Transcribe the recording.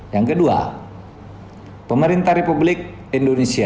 yang kedua pemerintah republik indonesia